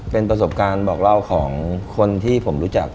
เป็นประสบการณ์บอกเล่าของคนที่ผมรู้จัก